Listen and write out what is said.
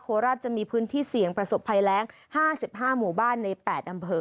ราชจะมีพื้นที่เสี่ยงประสบภัยแรง๕๕หมู่บ้านใน๘อำเภอ